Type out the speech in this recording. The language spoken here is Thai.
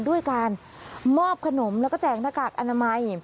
ด้วยการมอบขนมแล้วก็แจกหน้ากากอนามัย